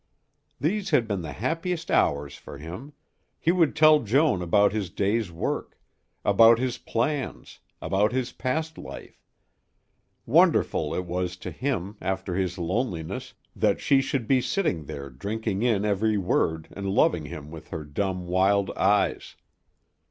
These had been the happiest hours for him; he would tell Joan about his day's work, about his plans, about his past life; wonderful it was to him, after his loneliness, that she should be sitting there drinking in every word and loving him with her dumb, wild eyes.